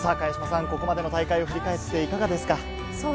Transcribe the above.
ここまでの大会を振り返っていかがですか？